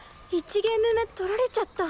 １ゲーム目取られちゃった。